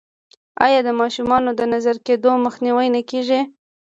آیا د ماشومانو د نظر کیدو مخنیوی نه کیږي؟